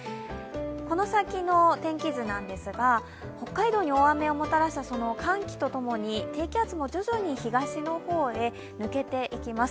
この先の天気図なんですが、北海道に大雨をもたらした寒気と共に低気圧も徐々に東の方へ抜けていきます。